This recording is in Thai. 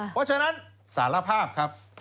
เพราะฉะนั้นสารภาพครับ